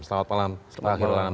selamat malam pak khoyrul anam